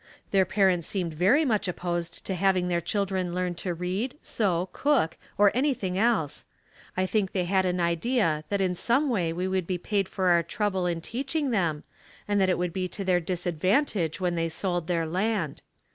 Their parents seemed very much opposed to having their children learn to read, sew, cook or anything else. I think they had an idea that in some way we would be paid for our trouble in teaching them and that it would be to their disadvantage when they sold their land.